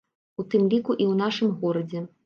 У тым ліку і ў нашым горадзе.